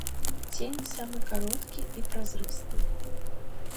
Цень самы кароткі і празрысты.